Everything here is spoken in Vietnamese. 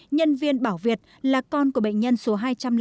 nhân viên bảo việt là con của bệnh nhân số hai trăm linh bốn